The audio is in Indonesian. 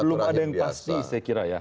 belum ada yang pasti saya kira ya